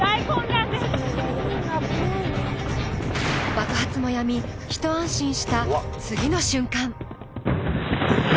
爆発もやみ、一安心した次の瞬間